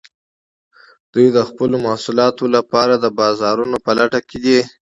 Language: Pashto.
دوی د خپلو محصولاتو لپاره د بازارونو په لټه کې دي